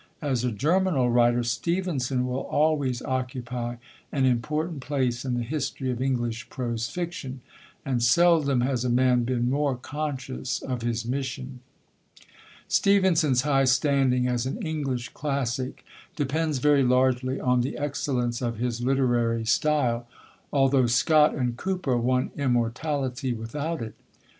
As a germinal writer, Stevenson will always occupy an important place in the history of English prose fiction. And seldom has a man been more conscious of his mission. Stevenson's high standing as an English classic depends very largely on the excellence of his literary style, although Scott and Cooper won immortality without it.